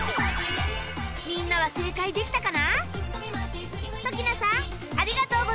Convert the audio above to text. みんなは正解できたかな？